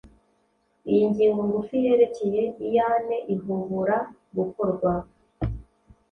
Iyi ngingo ngufi yerekeye iyane ihobora gukorwa